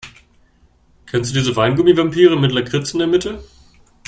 Kennst du diese Weingummi-Vampire mit Lakritz in der Mitte?